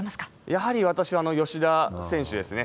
やはり私は吉田選手ですね。